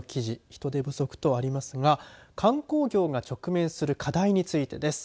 人手不足とありますが観光業が直面する課題についてです。